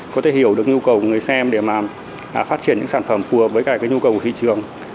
có thể hiểu được nhu cầu của người xem để mà phát triển những sản phẩm phù hợp với cả cái nhu cầu của thị trường